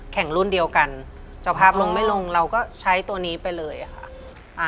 รุ่นเดียวกันเจ้าภาพลงไม่ลงเราก็ใช้ตัวนี้ไปเลยค่ะ